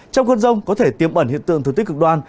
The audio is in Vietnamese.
trong cơn rông có thể tiêm ẩn hiện tượng thực tích cực đoan